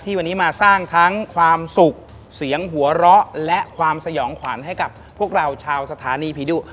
วันนี้มาสร้างทั้งความสุขเสียงหัวเราะและความสยองขวัญให้กับพวกเราชาวสถานีผีดุ